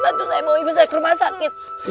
bantu saya bawa ibu saya ke rumah sakit